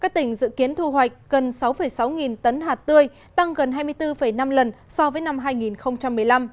các tỉnh dự kiến thu hoạch gần sáu sáu nghìn tấn hạt tươi tăng gần hai mươi bốn năm lần so với năm hai nghìn một mươi năm